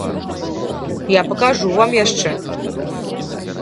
Я пакажу вам яшчэ!